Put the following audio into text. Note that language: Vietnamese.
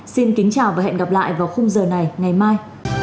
xin kính chào và hẹn gặp lại vào khung giờ này ngày mai